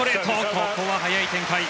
ここは早い展開。